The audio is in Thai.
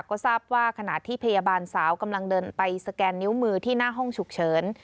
ก็ทราบว่าขณะที่พยาบาลสาวกำลังเดินไปสแกนนิ้วมือที่หน้าห้องฉุกเฉิน